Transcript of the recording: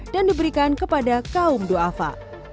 dan diberikan kepada kaum do'afa